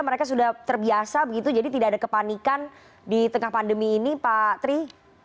mereka sudah terbiasa begitu jadi tidak ada kepanikan di tengah pandemi ini pak tri